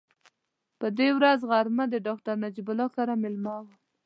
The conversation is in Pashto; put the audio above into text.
په دې ورځ غرمه ډاکټر نجیب الله کره مېلمه وم.